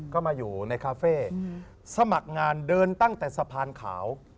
ก็มาอยู่ในคาเฟ่สมัครงานเดินตั้งแต่สะพานขาว